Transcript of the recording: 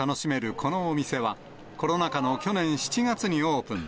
このお店は、コロナ禍の去年７月にオープン。